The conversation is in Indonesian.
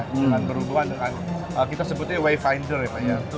dengan berhubungan dengan kita sebutnya wifinder ya pak ya